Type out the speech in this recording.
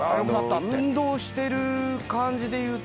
運動してる感じでいうと。